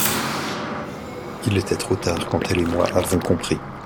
Il était trop tard quand elle et moi avons compris.